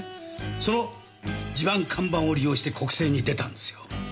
その地盤看板を利用して国政に出たんですよ。